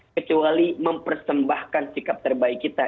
kecuali mempersembahkan sikap terbaik kita